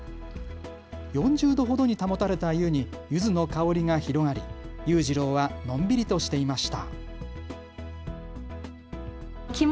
４０度ほどに保たれた湯にゆずの香りが広がり、ゆうじろうはのんびりとしていました。